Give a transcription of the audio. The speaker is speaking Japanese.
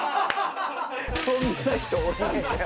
そんな人おらんやん。